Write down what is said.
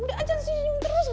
gak ajar senyum terus